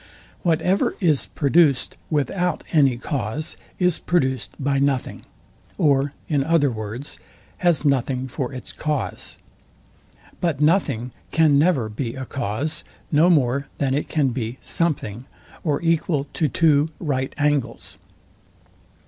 Whatever is produced without any cause, is produced by nothing; or in other words, has nothing for its cause. But nothing can never be a cause, no more than it can be something, or equal to two right angles.